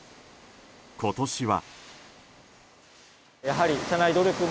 今年は。